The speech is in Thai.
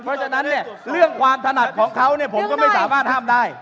เพราะฉะนั้นเนี่ยเรื่องความถนัดของเขาเนี่ยผมก็ไม่สามารถห้ามได้